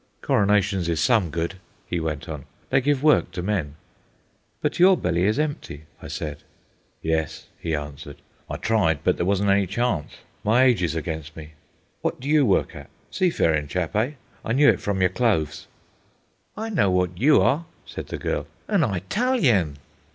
"Coronations is some good," he went on. "They give work to men." "But your belly is empty," I said. "Yes," he answered. "I tried, but there wasn't any chawnce. My age is against me. Wot do you work at? Seafarin' chap, eh? I knew it from yer clothes." "I know wot you are," said the girl, "an Eyetalian."